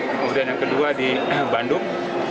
kemudian yang kedua di bandung